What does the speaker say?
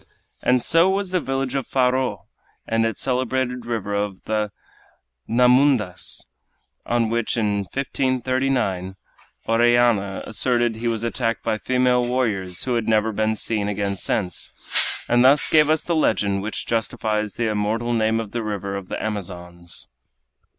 And so was the village of Faro and its celebrated river of the Nhamundas, on which, in 1539, Orellana asserted he was attacked by female warriors, who have never been seen again since, and thus gave us the legend which justifies the immortal name of the river of the Amazons.